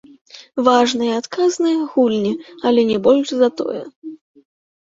Важныя, адказныя гульні, але не больш за тое.